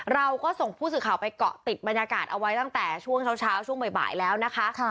เราก็ส่งผู้สื่อข่าวไปเกาะติดบรรยากาศเอาไว้ตั้งแต่ช่วงเช้าช่วงบ่ายแล้วนะคะ